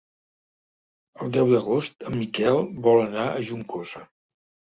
El deu d'agost en Miquel vol anar a Juncosa.